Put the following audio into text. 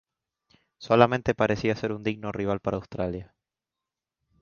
Solamente parecía ser un digno rival para Australia.